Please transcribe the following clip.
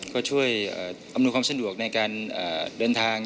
ก็ช่วยอำนวยความสะดวกในการเดินทาง